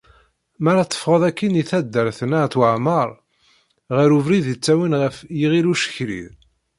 Mi ara teffɣeḍ akkin i taddart n At Weɛmer, ɣer ubrid i yettawin ɣer Yiɣil Ucekrid.